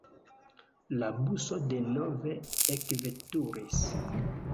La buso denove ekveturis.